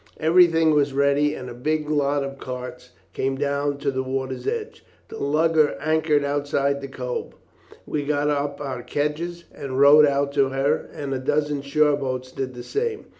Everything was ready, and a big lot of carts came down to the water's edge. The lugger anchored outside the cove; we got up our kedges and rowed out to her, and a dozen shoreboats did the same.